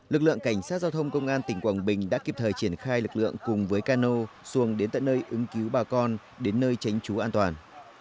lực lượng cảnh sát giao thông công an tỉnh quảng bình đã kịp thời triển khai lực lượng cùng với cano xuồng đến tận nơi ứng cứu bà con đến nơi tránh trú an toàn